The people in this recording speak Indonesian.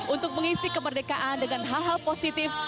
untuk mengisi kemerdekaan dengan hal hal positif